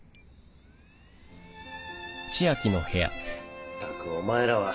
ったくお前らは。